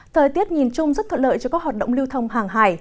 thời tiết nhìn chung rất thuận lợi cho các hoạt động lưu thông hàng hải